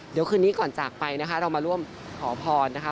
เดี๋ยวคืนนี้ก่อนจากไปนะคะเรามาร่วมขอพรนะคะ